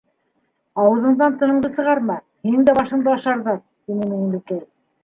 — Ауыҙыңдан тыныңды сығарма, һинең дә башыңды ашарҙар, — тине Миңлекәй.